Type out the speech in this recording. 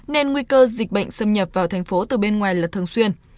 nên nguy cơ dịch bệnh xâm nhập vào thành phố từ bên ngoài là thường xuyên